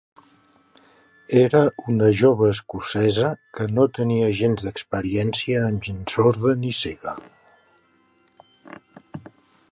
Era una jove escocesa que no tenia gens d'experiència amb gent sorda ni cega.